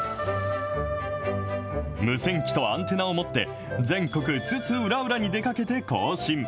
無線機とアンテナを持って、全国津々浦々に出かけて交信。